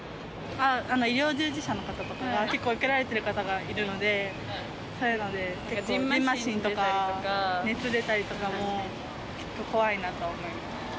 医療従事者の方とかが結構受けられてる方がいるので、そういうのでじんましんとか、熱出たりとかも、ちょっと怖いなと思います。